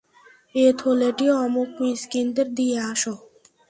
এ থলেটি অমুক মিসকীনদের দিয়ে আস।